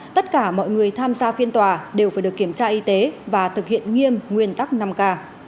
tất cả mọi người tham gia phiên tòa đều phải được kiểm tra y tế và thực hiện nghiêm nguyên tắc năm k